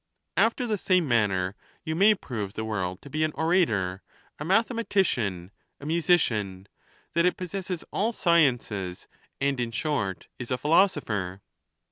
After the same manner you may prove the world to be an orator, a mathe matician, a musician — that it possesses all sciences, and, fn short, is a philosopher.